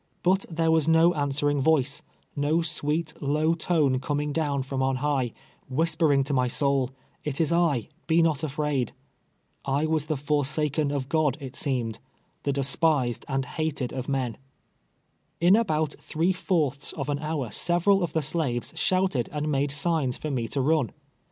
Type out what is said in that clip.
But there was no answering voice — no sweet, low tone, coming down from on high, whispering to my Boul, " It is I, be not afraid." I was the forsaken of God, it seemed — the despised and hated of men! In about three fourths of an hour several of tho slaves shouted and made signs for me to run.